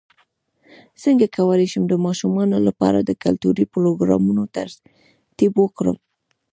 څنګه کولی شم د ماشومانو لپاره د کلتوري پروګرامونو ترتیب ورکړم